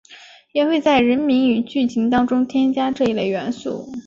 也会在人名与剧情当中加入这一类元素。